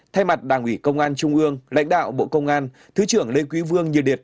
thay mặt đảng ủy công an trung ương lãnh đạo bộ công an thứ trưởng lê quý vương nhiệt